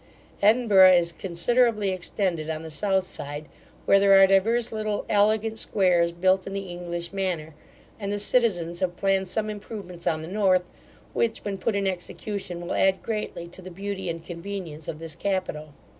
Edinburgh is considerably extended on the south side, where there are divers little elegant squares built in the English manner; and the citizens have planned some improvements on the north, which, when put in execution, will add greatly to the beauty and convenience of this capital.